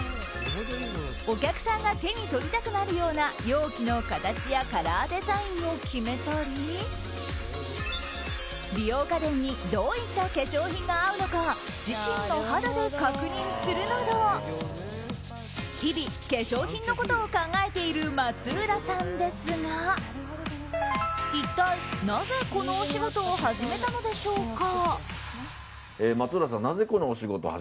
お客さんが手に取りたくなるような容器の形やカラーデザインを決めたり美容家電にどういった化粧品が合うのか自身の肌で確認するなど日々、化粧品のことを考えている松浦さんですが一体、なぜこのお仕事を始めたのでしょうか。